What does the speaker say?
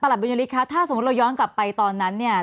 ประหลับบุญฤษฐ์ครับถ้าสมมติเราย้อนกลับไปตอนนั้นเนี่ย